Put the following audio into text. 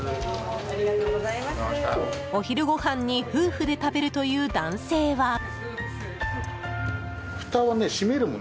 お昼ごはんに夫婦で食べるという男性は。